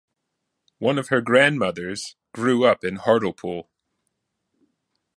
One of her grandmothers "grew up in Hartlepool".